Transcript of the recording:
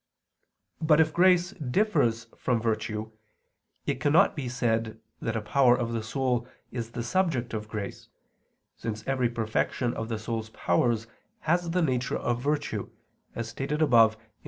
But if grace differs from virtue, it cannot be said that a power of the soul is the subject of grace, since every perfection of the soul's powers has the nature of virtue, as stated above (Q.